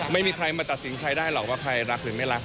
ไม่มีใครมาตัดสินใครได้หรอกว่าใครรักหรือไม่รัก